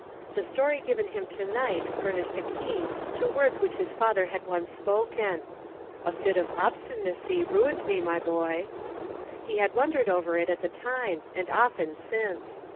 The story given him to night furnished a key to words which his father had once spoken :" A fit of obstinacy ruined me, my boy." He had wondered over it at the time and often since.